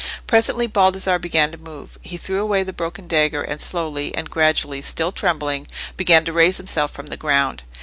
Presently Baldassarre began to move. He threw away the broken dagger, and slowly and gradually, still trembling, began to raise himself from the ground.